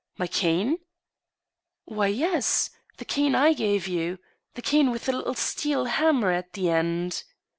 " My cane ?"" Why, yes. The cane I gave you — ^the cane with the little steel hammer at the end."